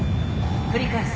繰り返す。